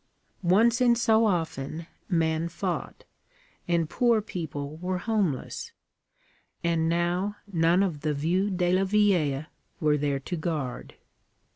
Once in so often men fought, and poor people were homeless. And now none of the 'vieux de la vieille' were there to guard.